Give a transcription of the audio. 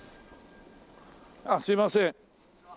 あっすいません。